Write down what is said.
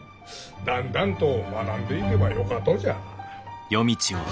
だんだんと学んでいけばよかとじゃ。